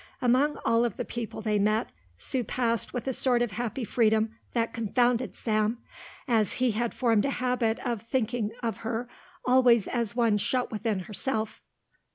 Among all of the people they met Sue passed with a sort of happy freedom that confounded Sam, as he had formed a habit of thinking of her always as one shut within herself.